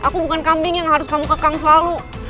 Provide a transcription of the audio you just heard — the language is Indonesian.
aku bukan kambing yang harus kamu kekang selalu